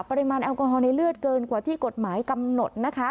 ปริมาณแอลกอฮอลในเลือดเกินกว่าที่กฎหมายกำหนดนะคะ